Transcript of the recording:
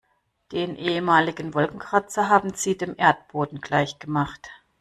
Den ehemaligen Wolkenkratzer haben sie dem Erdboden gleichgemacht.